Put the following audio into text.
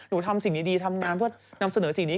ทำสิ่งดีทำงานเพื่อนำเสนอสิ่งนี้